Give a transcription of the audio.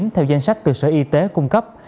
theo danh sách từ sở y tế cung cấp